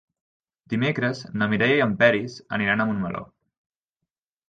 Dimecres na Mireia i en Peris aniran a Montmeló.